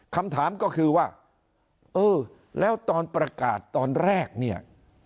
คำถามก็คือว่าเออแล้วตอนประกาศตอนแรกเนี่ย